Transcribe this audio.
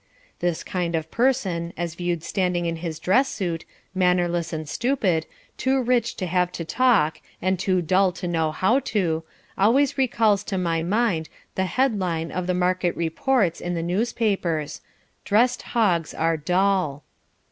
This kind of person, as viewed standing in his dress suit, mannerless and stupid, too rich to have to talk and too dull to know how to, always recalls to my mind the head line of the market reports in the newspapers, "Dressed Hogs are Dull."